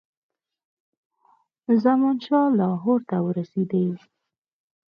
زمانشاه لاهور ته ورسېدی.